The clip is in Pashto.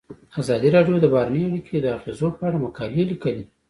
ازادي راډیو د بهرنۍ اړیکې د اغیزو په اړه مقالو لیکلي.